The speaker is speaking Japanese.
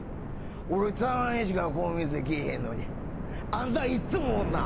「俺たまにしかこの店来ぇへんのにあんたいっつもおるな！